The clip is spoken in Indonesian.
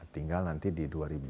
tinggal nanti di dua ribu dua puluh